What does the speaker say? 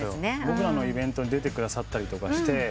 僕らのイベントに出てくださったり。